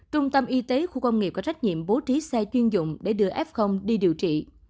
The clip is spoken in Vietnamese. trung tâm y tế khu công nghiệp có trách nhiệm bố trí xe chuyên dụng để đưa f đi điều trị